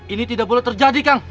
ini tidak boleh terjadi kang